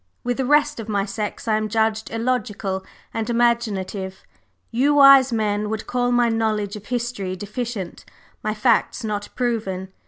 With the rest of my sex, I am judged illogical and imaginative; you wise men would call my knowledge of history deficient, my facts not proven.